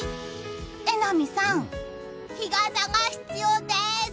榎並さん、日傘が必要です！